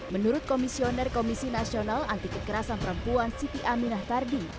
menurut komisioner komisi nasional anti kekerasan perempuan siti aminah fardi